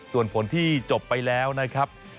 ส่วนผลที่จบไปแล้วนะครับ